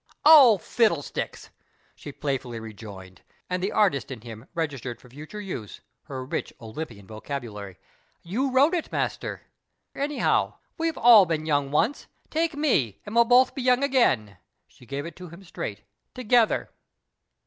'' Oh, fiddlesticks," she playfully rejoined, and the artist in him registered for future use her rich Olympian vocabulary, " you wrote it. Master, any how. We've all been young once. Take mc, and we'll both be young again," she gave it him straight, " together."